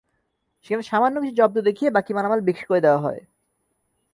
সেখানে সামান্য কিছু জব্দ দেখিয়ে বাকি মালামাল বিক্রি করে দেওয়া হয়।